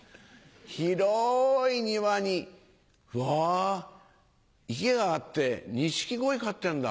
広い庭にわ池があってニシキゴイ飼ってんだ。